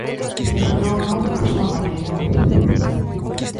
Celebrouno á súa maneira.